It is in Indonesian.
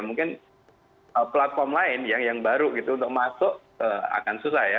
mungkin platform lain yang baru gitu untuk masuk akan susah ya